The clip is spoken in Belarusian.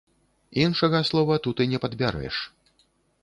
Іншага слова тут і не падбярэш!